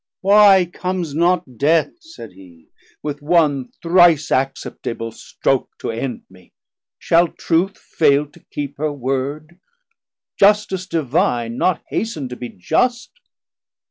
Why comes not Death, Said hee, with one thrice acceptable stroke To end me? Shall Truth fail to keep her word, Justice Divine not hast'n to be just?